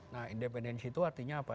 nah independensi itu artinya apa